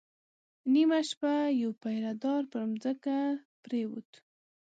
نيمه شپه يو پيره دار پر ځمکه پرېووت.